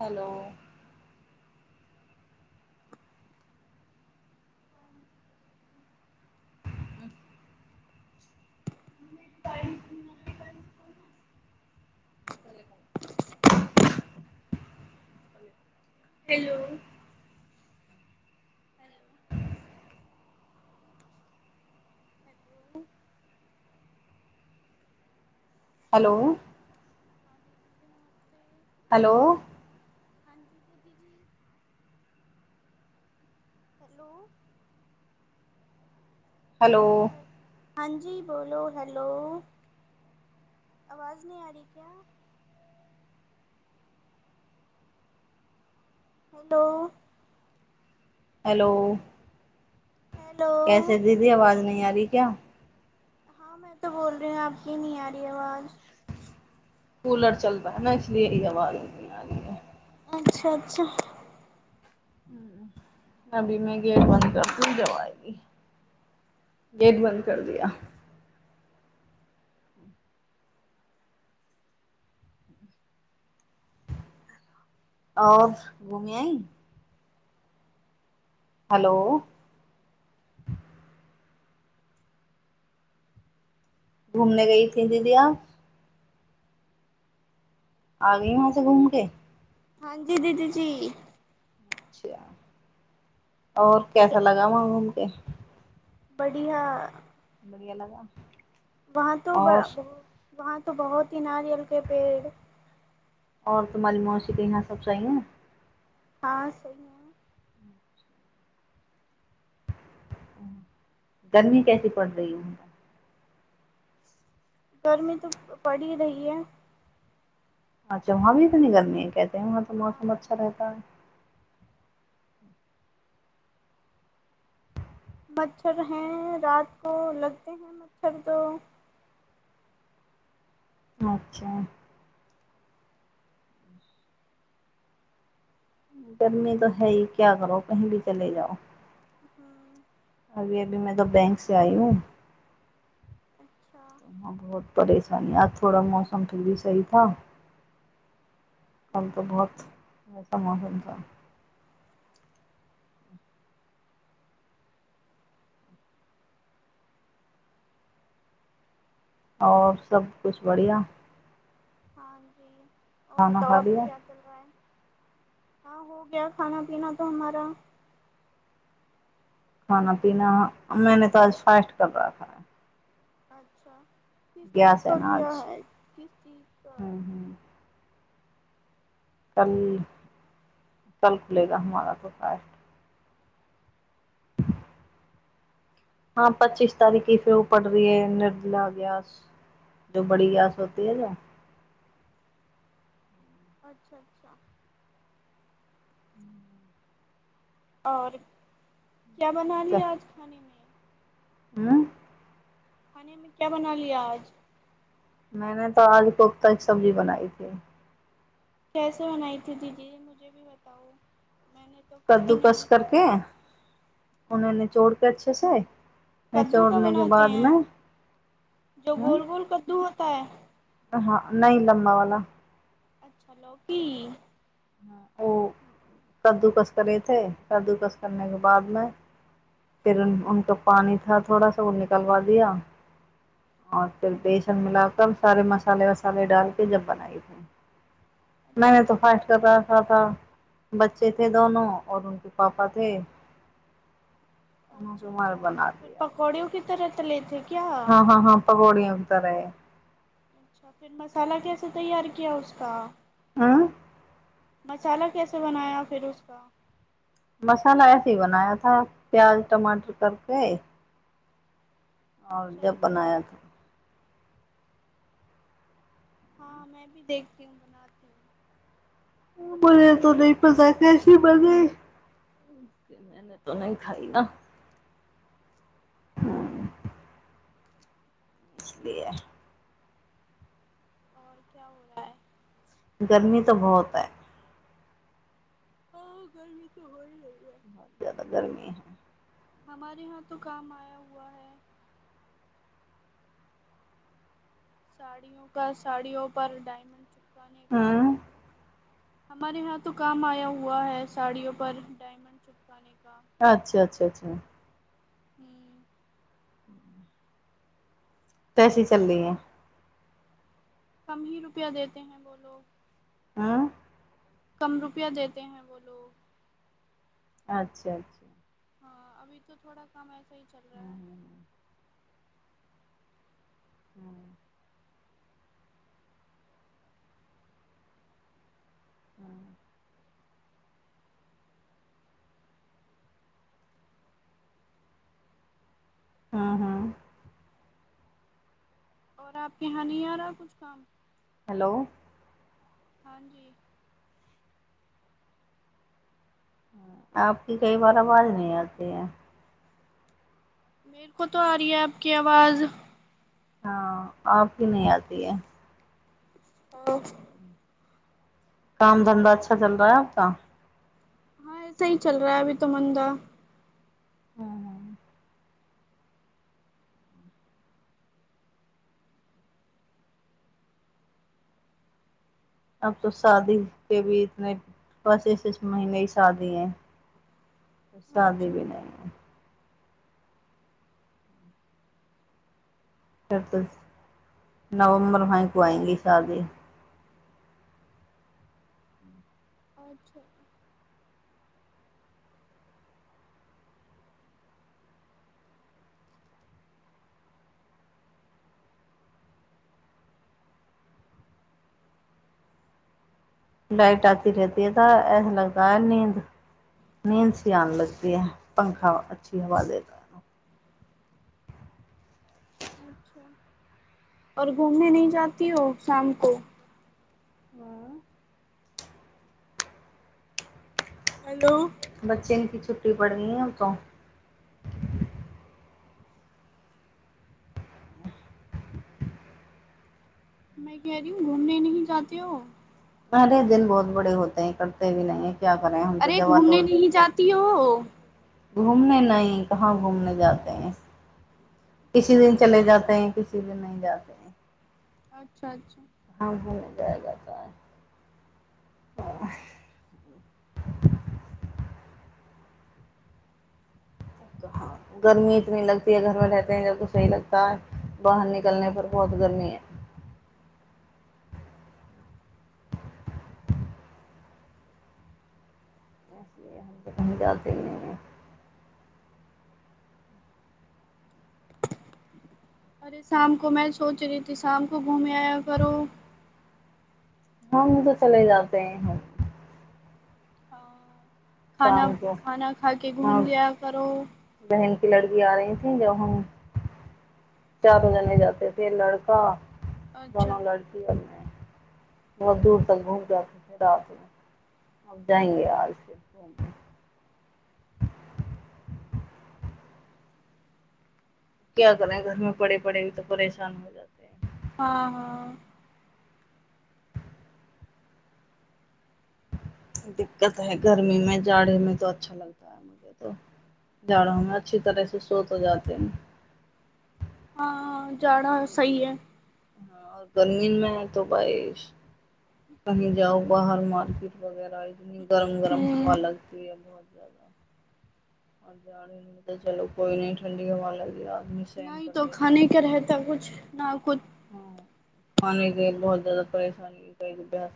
Hello hello hello hello hello हँ दीदी जी हलो हँ जी दीदी जी हेलो हलो हँ जी बोलो हैेलो आवाज नइ आ री क्या हेलो हेलो हेलो कैसे दीदी आवाज नहि आ ये क्या हँ में तो बोल रही हूं आप की नइ आ रइ आवाज कूलर चलता है न इसिलिय इह आवाज नहि आ रहीये अच्छा अच्छा हूँ अभी मे गेट बन्द करती जब आयेगी गेट बन्द कर दिया आओर घुमी आई हलो घुमने गयी थी दिदिआ आ गई वहां से घूम के हँ जी दीदी जी अच्छा ओर कैसा लगा वह घूम केे बढ़िया बढ़िआ लगा वहाँ तो ब और बत वहाँ तो बोहोत ही नारियल के पेड़ और तुम्हारे मौसी के यहाँ सब सही है। हाँ सही है। गर्मी कैसी पड़ रही है। गर्मी तो पड़ ही रही है। अच्छा वहाँ भी इतनी गर्मी है क्या। वहाँ तऽ हाँ मौसम अच्छा रहता है। मच्छर हैं रात को लगते है मच्छर तो अच्छा गर्मी तो है ही क्या करो कही भी चले जाओ। हुं [inaudible] अभी अभी मे तो बैंक से आई हूँ अच्छा त हा बहुत परेश [unintelligible] यहाँ थोड़ा मौसम फिर भी सही था। कल तो बहुत सम त [unintelligible] और सब कुछ बढ़िया। हां जी [unintelligible] और खाना बताओ खा अब लिया क्या चल रहा है [unintelligible] हां हो गया खाना- पीना तो हमारा। खाना पीना मैंने तो आज फास्ट कर रखा था। अच्छा [unintelligible] किस चीज है का ना किया आज है किस चीज का [unintelligible] हम्म हम्म कल- कल खुलेगा हमारा तो फास्ट। हां पच्चीस तारीखके फेर ओ पड़ रही ह निर्मला ग्यस जो बड़ी ग्यस होती है जो [unintelligible] अच्छा अच्छा [unintelligible] और क्या बना लिया आज हुं [unintelligible] खाने में क्या बना लिया आज। मैने तो आज कोप्ता की सब्जी बनाई थी कैसे बनाई थी दीदी मुझे भी बताओ मैंने तो कभी कद्दू नहीं काटके खाया उन्हें निचोड़ अच्छे से कद्दू का निचोड़ने के बनाते बाद है में जो हम्म गोल गोल कद्दू हो होता है। नहीं लम्बा वाला अच्छा लौकी। ओ कद्दूकस करेथे कद्दूकस करने के बादमे [unintelligible] फिर उन-उनका पानी थोड़ा सा वो निकलवा दिया। और फि बेसन अच्छा मिला कर सारे मसाले उस पानी डाल के जब बनाई थी। मैंने अच्छा तो फासट करा पापा बच्चे थे दोनों और उनके पापा थे। उन्होंने अच्छा रुमाल अच्छा बना फिर पकौड़ियो के तरह तले थे क्या हँ हँ हँ पकौड़िया उगता रहे अच्छा फिर मसाला कैसे तैयार किया उसका आँ मसाला कैसे बनाया फिर उसका मसाला ऐसे बनाया था प्याज टमाटर करके आओ अच्छा जब अच्छा बनाया था हाँ मैं भी देखती हूँ बनाती हूँ ओ बच्चों मने के तो लिए नहीं पता कैसे बनेे कि मैंने तो नहीं खाई न हँ इसलिए और क्या हो रहा है गर्मी तो बहोत है हाँ गर्मी तो हो ही रही है बहुत ज्यादा गर्मी है हमारे यहाँ तो काम आया हुआ है सारियों का सारियो पर डायमंड काने का हम्म हमारे यहाँ तो काम आया हुआ है साड़ियो पर डायमंड चिपकाने का अच्छा अच्छा अच्छा हम्म कैसे चल रही है कम ही रुपया देते हैं बोलो आँ कम रुपया देते हैं वो लोग अच्छा अच्छा हँ अभी तो थोड़ा कम ऐस सही चल रहा हम्म है हम्म हम्म हम्म हँ हँ और आपके यहाँ नी आ रहा कुछ काम हलो हाँ जी हम्म आपकी कई बार आवाज नहीं आती है मेरे को तो आ रही है आपकी आवाज हाँ आपकी नही आती है ह काम धंधा अच्छा चल रा है आपका हाँ ऐसे ही चल रहा है अभी तो मन्दा [inaudible] अब तो शादी के भी इतने पचीस इस महीने ही शादी हैं [unintelligible] पसा दे अच्छा बिना [unintelligible] नवम्बर को आएंगी शादी अच्छा [inaudible] [inaudible] लाइट आती रहती है तो एसा लगता है नींद सी आने लगती है पंखा वाली अच्छी हवा देखकर। और घूमने नहीं जाती हो शाम को हँ [inaudible] हेलो बच्चे की छुटी पड़नी है अब तो मैं कह रही हूँ घूमने नहि जाती हो। अरे दिन बहुत बड़े होते है करते भी नहीं क्या करें हम तो अरे जवा घूमने तोड़ नहीं जाती हो। हो [inaudible] घूमने नहीं कहाँ घूमने जाते हैं किसी दिन चले जाते है किसी दिन नहीं जाते है। अच्छा अच्छा हँ ह म जाएगा त [unintelligible] गर्मी इतनी लगती है घरमे रहते है तो सही लगता है बाहर निकलने पर बहुत गर्मी है। कही जाते नहीं है। अरे शाम को में सोच रही ती शाम को घूमने आया करो। हँ हम तो चले जाते है। ह [inaudible] को खाना खा के हाँ घूम लिया करो। बहन की लड़की आ रही थी जब हम चारो लोग जाते थे। अच्छा बनो लड़की अपने [unintelligible] बत दूर तक घूम जा क रतमे [unintelligible] जाएंगे आज से क्या करे घरमे पड़े पड़े भी तो परेशान हो जाते है। हँ हँ [inaudible] दिक्कत है गर्मी में जाड़े में तो अच्छा लगता है जाड़ोंमें अच्छी तरह से सो तो जाते है। हँ हँ जाड़ा सही है। ह गर्मी में तो कही जाउ बाहर मार्केट वगैरह गरम गरम हवा ह लगती है। चलो कोइ नहीं ठण्डी हवा लगी। आदमी सहन नहि कर तो खाने के रहता कुछ न कुछ। ह खाने के लिए बहुत ज्यादा परेशानी होती है।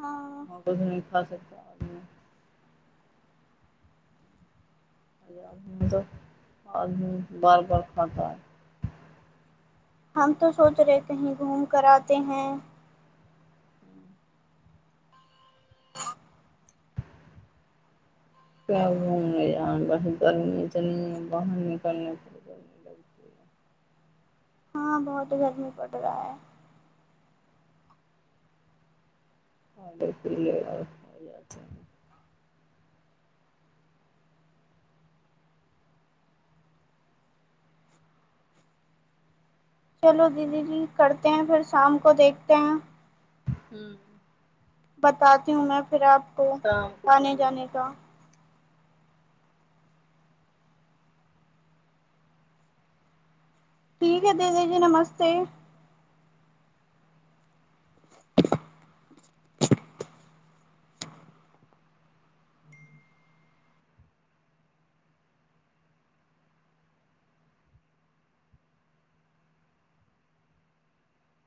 हाँ वगी खा सक [unintelligible] आ [inaudible] बार बार खाता है। हम तो सोच रहे थे‌ कि कहीं घूम कर आते हैं आ [unintelligible] क्य घम नहि ज गर्म चल बाहर निकलने प लग [unintelligible] हँ बहुत गरमी पड़ रही है। [unintelligible] चलो दीदी जी करते हैं फेर शाम को देखते हैं हूं बताती हू मैं फिर आप को शाम को कर आने जाने लेना का ठीक है दीदी जी नमस्ते